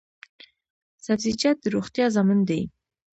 سبزیجات د روغتیا ضامن دي